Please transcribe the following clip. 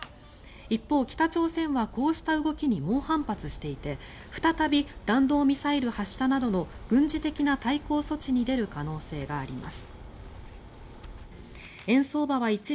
一方、北朝鮮はこうした動きに猛反発していて再び弾道ミサイル発射などの軍事的な対抗措置に出る可能性があります。